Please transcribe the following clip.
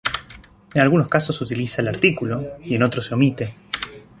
En algunos casos se utiliza el artículo, y en otros se omite.